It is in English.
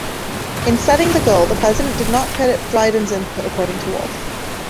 In setting the goal, the president did not credit Dryden's input, according to Wolfe.